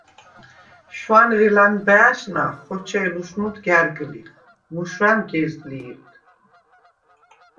შუ̂ანრე ლა̈ნბა̄̈შნა ხოჩე̄ლ ლუშნუდ გა̈რგლიხ, მუშუ̂ა̈ნ გეზლი̄რდ!